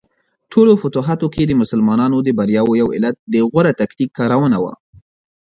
ټولو فتوحاتو کې د مسلمانانو د بریاوو یو علت د غوره تکتیک کارونه وه.